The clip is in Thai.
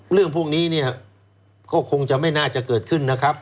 เรื่องพวกนี้เนี่ยก็คงจะไม่น่าจะเกิดขึ้นนะครับ